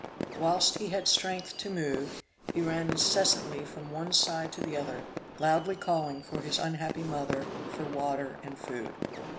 Whilst he had strength to move, he ran incessantly from one side to the other, loudly calling for his unhappy mother, for water and food.